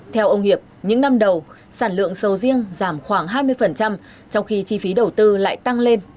theo ông hiệp những năm đầu sản lượng sầu riêng giảm khoảng hai mươi trong khi chi phí đầu tư lại tăng lên